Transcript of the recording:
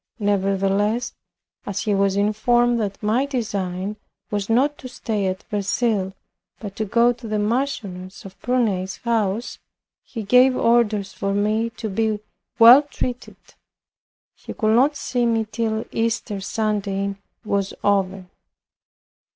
Nevertheless, as he was informed that my design was not to stay at Verceil, but to go to the Marchioness of Prunai's house, he gave orders for me to be well treated. He could not see me till Easter Sunday was over.